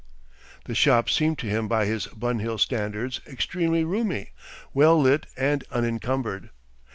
The shop seemed to him by his Bun Hill standards extremely roomy, well lit, and unencumbered.